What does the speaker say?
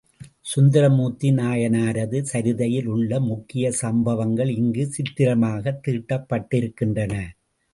சுந்தரமூர்த்தி நாயனாரது சரிதையில் உள்ள முக்கிய சம்பவங்கள் இங்கு சித்திரமாகத் தீட்டப்பட்டிருக்கின்றன.